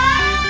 terima kasih bu